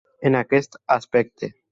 En aquest aspecte.